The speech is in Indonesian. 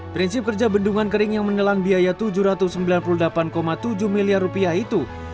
prinsip kerja bendungan kering yang menelan biaya tujuh ratus sembilan puluh delapan tujuh miliar rupiah itu